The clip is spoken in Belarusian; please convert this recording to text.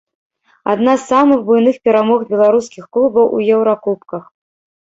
Адна з самых буйных перамог беларускіх клубаў у еўракубках.